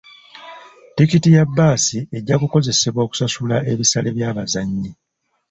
Tikiti ya bbaasi ejja kukozesebwa okusasula ebisale by'abazannyi .